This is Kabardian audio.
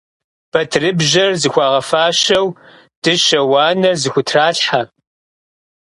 Батырыбжьэр зыхуагъэфащэу, дыщэ уанэр зыхутралъхьэ.